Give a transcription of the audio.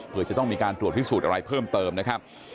เพื่อจะต้องมีการตรวจพิสูจน์อะไรเพิ่มเติมนะครับ